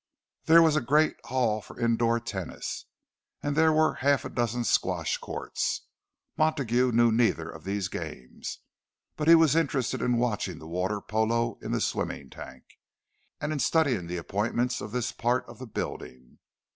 There was a great hall for indoor tennis, and there were half a dozen squash courts. Montague knew neither of these games, but he was interested in watching the water polo in the swimming tank, and in studying the appointments of this part of the building.